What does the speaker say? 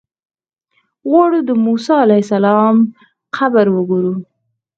غواړو د موسی علیه السلام قبر وګورو.